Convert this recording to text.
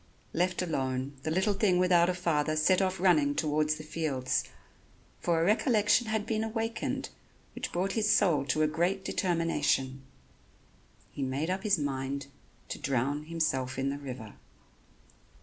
Left alone, the little thing without a father set off running towards the fields, for a recollection had been awakened which brought his soul to a great determination. He made up his mind to drown himself in the river.